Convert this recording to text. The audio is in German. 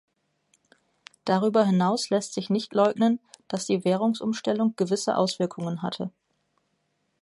Darüber hinaus lässt sich nicht leugnen, dass die Währungsumstellung gewisse Auswirkungen hatte.